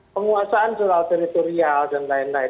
penguasaan soal teritorial dan lain lain